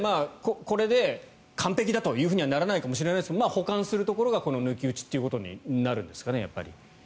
これで完璧だとはならないかもしれませんが補完するところがこの抜き打ちとなるんですかね。